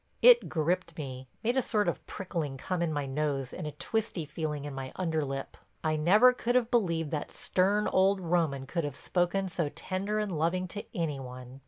It gripped me, made a sort of prickling come in my nose and a twisty feeling in my under lip. I never could have believed that stern old Roman could have spoken so tender and loving to any one.